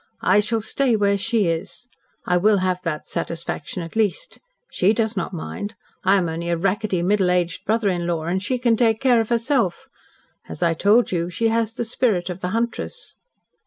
"I shall stay where she is. I will have that satisfaction, at least. She does not mind. I am only a racketty, middle aged brother in law, and she can take care of herself. As I told you, she has the spirit of the huntress."